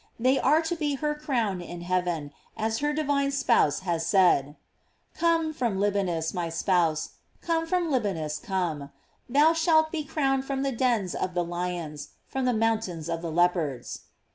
They are to be her crown in heaven, as her divine spouse has said: "Come from Libanus, my spouse, come from Libanus, come; thou shalt be crowned from the dens of the lions, from the mountains of the leopards.'"